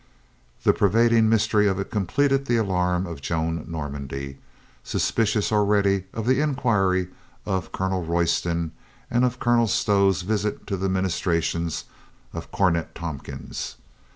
The pervading mystery of it completed the alarm of Joan Normandy, suspicious already of the in iquity of Colonel Royston and of Colonel Stow's visit to the ministrations of Cornet Tompkins.